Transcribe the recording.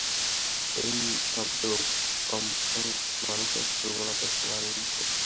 এই শব্দ কম্পাঙ্ক মানুষের শ্রাব্যতা সীমার ঊর্ধ্বে।